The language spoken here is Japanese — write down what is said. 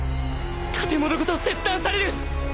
建物ごと切断される！